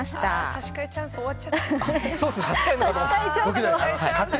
差し替えチャンス終わっちゃった。